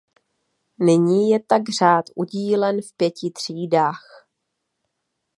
Nyní je tak řád udílen v pěti třídách.